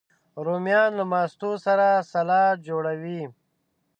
رومیان له ماستو سره سالاد جوړوي